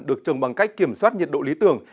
được trồng bằng cách kiểm soát nhiệt độ lý tưởng